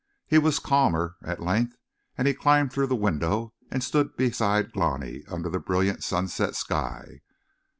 He was calmer, at length, and he climbed through the window and stood beside Glani under the brilliant sunset sky.